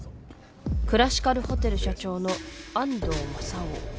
クラシカルホテル社長の安藤正夫。